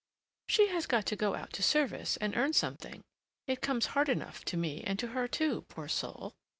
"She has got to go out to service and earn something. It comes hard enough to me and to her, too, poor soul!